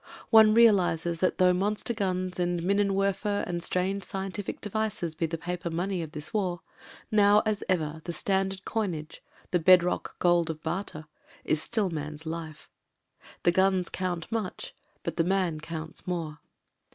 One realises that though monster guns and minenwerf er and strange scientific devices be the paper money of this war, now as ever the standard coinage — ^the bedrock gold of barter — ^is still man's life. The guns count much — but the man counts more.